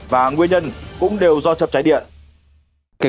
và nguyên nhân cũng đều do chập cháy điện